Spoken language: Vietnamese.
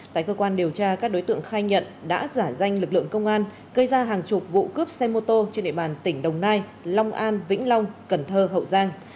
tại cơ quan điều tra các đối tượng khai nhận đã giả danh lực lượng công an gây ra hàng chục vụ cướp xe mô tô trên địa bàn tỉnh đồng nai long an vĩnh long cần thơ hậu giang